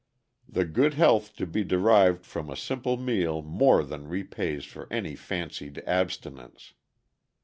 The good health to be derived from a simple meal more than repays for any fancied abstinence.